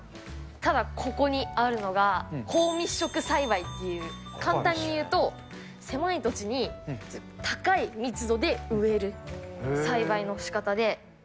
ただ、ここにあるのが、高密植栽培という、簡単に言うと、狭い土地に、高い密度で植える栽培のしかたで。